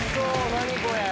何これ⁉